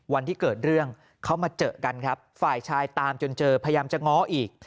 วันที่เกิดเรื่องเขามาเจอกันครับฝ่ายชายตามจนเจอพยายามจะง้ออีก